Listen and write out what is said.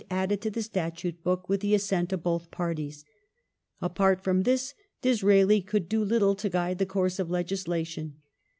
5th ^^ added to the Statute book with the assent of both Parties. Apart 2nd, 1868 from this Disraeli could do little to guide the course of legislation.